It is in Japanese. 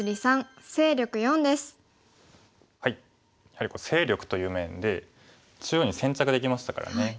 やはり勢力という面で中央に先着できましたからね。